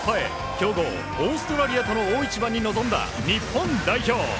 強豪オーストラリアとの大一番に臨んだ日本代表。